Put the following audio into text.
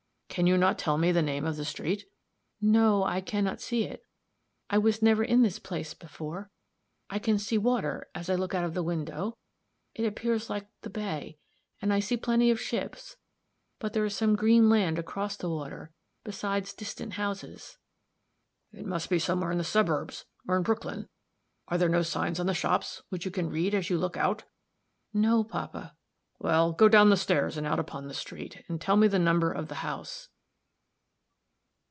Can you not tell me the name of the street?" "No, I can not see it. I was never in this place before. I can see water, as I look out of the window. It appears like the bay; and I see plenty of ships, but there is some green land across the water, besides distant houses." "It must be somewhere in the suburbs, or in Brooklyn. Are there no signs on the shops, which you can read, as you look out?" "No, papa." "Well, go down the stairs, and out upon the street, and tell me the number of the house."